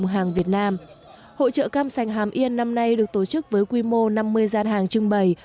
hội trợ cam sành hàm yên năm nay được tổ chức với quy mô năm mươi gian hàng trưng bày